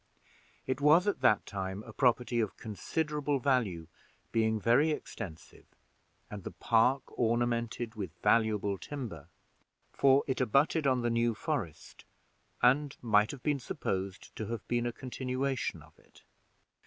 It was at that time a property of considerable value, being very extensive, and the park ornamented with valuable timber; for it abutted on the New Forest, and might have been supposed to have been a continuation of it.